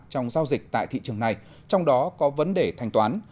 trong giao dịch tại thị trường này trong đó có vấn đề thanh toán